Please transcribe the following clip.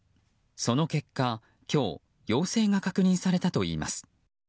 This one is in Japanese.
その結果、今日陽性が確認されたといいます。